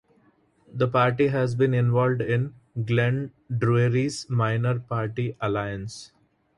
The party has been involved in Glenn Druery's Minor Party Alliance.